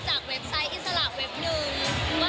จากเว็บไซต์อินสตาร์ทแว็บหนึ่ง